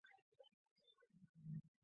他驻扎地方约是社寮岛城。